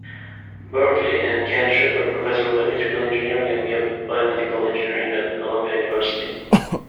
Berkeley, and Ken Shepard, Professor of Electrical Engineering and Biomedical Engineering at Columbia University.